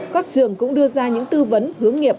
các trường cũng đưa ra những tư vấn hướng nghiệp